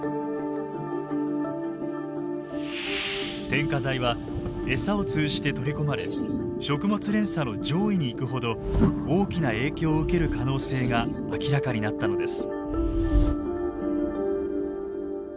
添加剤は餌を通じて取り込まれ食物連鎖の上位に行くほど大きな影響を受ける可能性が明らかになったのです。